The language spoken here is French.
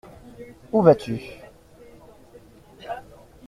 Où vas-tu ?